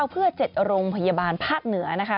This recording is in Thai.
เพื่อ๗โรงพยาบาลภาคเหนือนะคะ